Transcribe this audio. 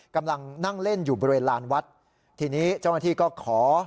กำลังนั่งเล่นอยู่บริเวณลานวัดทีนี้เจ้าหน้าที่ก็ขอ